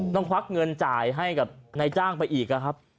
ต้องพักเงินจ่ายให้กับนายจ้างไปอีก